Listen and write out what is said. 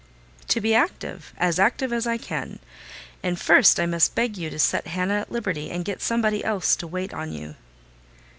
"To be active: as active as I can. And first I must beg you to set Hannah at liberty, and get somebody else to wait on you."